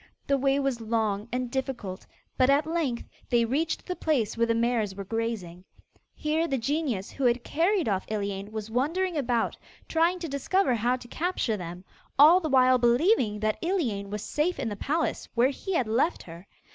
The way was long and difficult, but at length they reached the place where the mares were grazing. Here the genius who had carried off Iliane was wandering about, trying to discover how to capture them, all the while believing that Iliane was safe in the palace where he had left her.